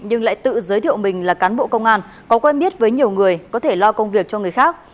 nhưng lại tự giới thiệu mình là cán bộ công an có quen biết với nhiều người có thể lo công việc cho người khác